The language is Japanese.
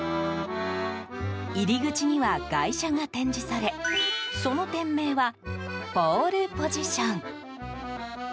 入口には外車が展示されその店名は、ポールポジション。